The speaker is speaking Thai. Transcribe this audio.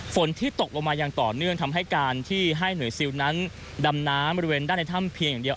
ฝนที่ตกลงมาอย่างต่อเนื่องทำให้การที่ให้หน่วยซิลนั้นดำน้ำบริเวณด้านในถ้ำเพียงอย่างเดียว